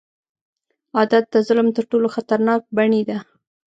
عادت د ظلم تر ټولو خطرناک بڼې ده.